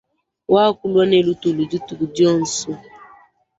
Wakule ne lutulu dituku dionso.